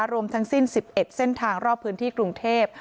รวมทั้งสิ้น๑๑เส้นทางรอบพื้นที่กรุงเทพ